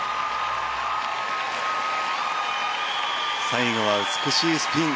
最後は、美しいスピン。